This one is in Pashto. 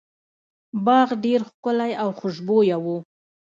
باغ ډیر ښکلی او خوشبويه و.